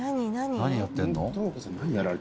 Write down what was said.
何やってるの？